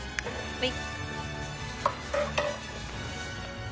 はい。